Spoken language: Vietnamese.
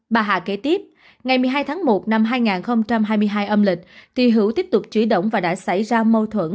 bà hà kế tiếp ngày một mươi hai tháng một năm hai nghìn hai mươi hai âm lịch thì hữu tiếp tục chỉ động và đã xảy ra mâu thuẫn